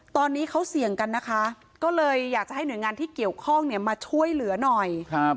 ตอนนี้เขาเสี่ยงกันนะคะก็เลยอยากจะให้หน่วยงานที่เกี่ยวข้องเนี่ยมาช่วยเหลือหน่อย